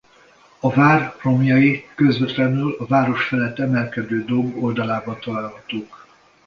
A vár romjai közvetlenül a város felett emelkedő domb oldalában találhatók.